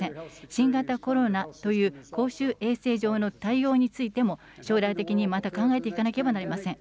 新型コロナという公衆衛生上の対応についても、将来的にまた考えていかなければいけません。